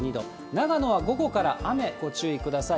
長野は午後から雨、ご注意ください。